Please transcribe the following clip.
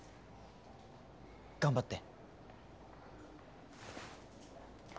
頑張って。